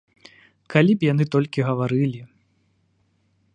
Калі б яны толькі гаварылі!